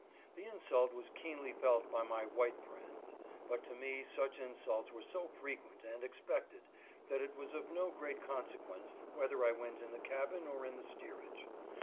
The insult was keenly felt by my white friends, but to me such insults were so frequent and expected that it was of no great consequence whether I went in the cabin or in the steerage.